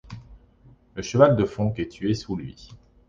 Le cheval de Fonck est tué sous lui.